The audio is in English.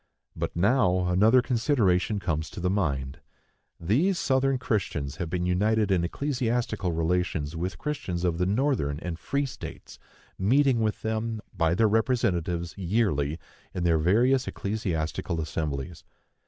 But now another consideration comes to the mind. These Southern Christians have been united in ecclesiastical relations with Christians of the northern and free states, meeting with them, by their representatives, yearly, in their various ecclesiastical assemblies.